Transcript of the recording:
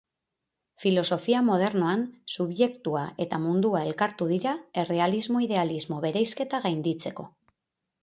Filosofia modernoan, subjektua eta mundua elkartu dira errealismo-idealismo bereizketa gainditzeko.